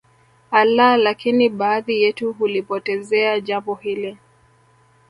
Allah lakini baadhi yetu hulipotezea Jambo hili